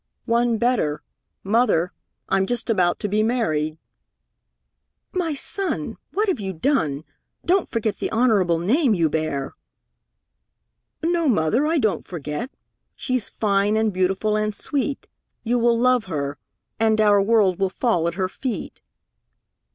"One better, Mother. I'm just about to be married!" "My son! What have you done? Don't forget the honorable name you bear!" "No, Mother, I don't forget. She's fine and beautiful and sweet. You will love her, and our world will fall at her feet!"